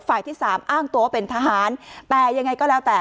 ที่สามอ้างตัวเป็นทหารแต่ยังไงก็แล้วแต่